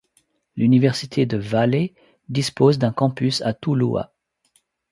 L'université de Valle dispose d'un campus à Tuluá.